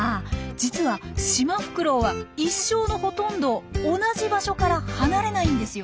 実はシマフクロウは一生のほとんどを同じ場所から離れないんですよ。